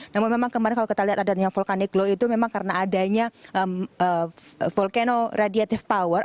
namun memang kemarin kalau kita lihat adanya vulkanik law itu memang karena adanya volcano radiative power